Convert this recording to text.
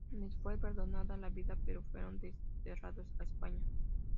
Les fue perdonada la vida pero fueron desterrados a España.